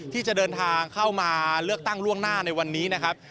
ที่จะเดินทางเข้ามาเลือกตั้งล่วงหน้าในวันนี้นะครับ